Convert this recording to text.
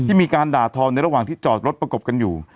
มีการด่าทอในระหว่างที่จอดรถประกบกันอยู่